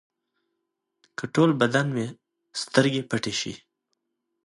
که ټول بدن مې سترګې شي.